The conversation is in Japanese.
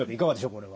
これは。